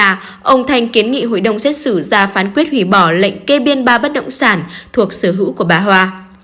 tòa ông thanh kiến nghị hội đồng xét xử ra phán quyết hủy bỏ lệnh kê biên ba bất động sản thuộc sở hữu của bà hoa